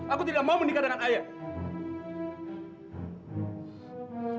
aku tidak mau menikah dengan ayah